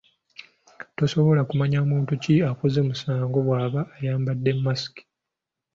Tosobola kumanya muntu ki akoze musango bwaba ayambadde mask.